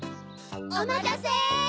おまたせ！